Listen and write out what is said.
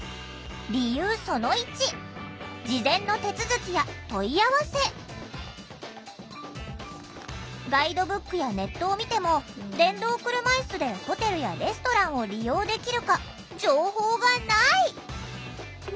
実はあずみんたちはこれまでガイドブックやネットを見ても電動車いすでホテルやレストランを利用できるか情報がない！